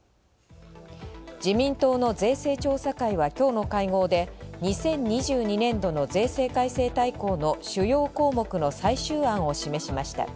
自民党の税制調査会は今日の会合で、２０２２年度の税制改正大綱の主要項目の最終案を示しました。